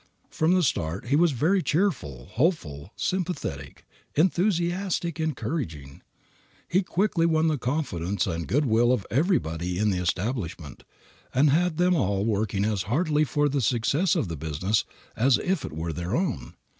From the start he was cheerful, hopeful, sympathetic, enthusiastic, encouraging. He quickly won the confidence and good will of everybody in the establishment, and had them all working as heartily for the success of the business as if it were their own.